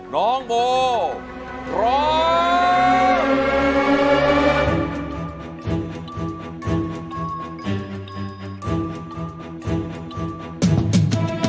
น้องโมรอบ